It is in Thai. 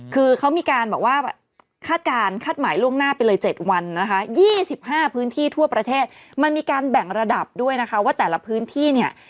คือเขามีการบอกว่าคาดการณ์คาดหมายล่วงหน้าไปเลย๗วันนะคะ๒๕พื้นที่ทั่วประเทศมันมีการแบ่งระดับด้วยนะคะว่าแต่ละพื้นที่เนี่ย